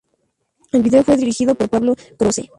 El vídeo fue dirigido por Pablo Croce.